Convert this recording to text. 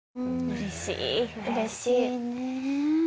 うれしいね。